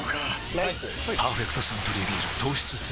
ライス「パーフェクトサントリービール糖質ゼロ」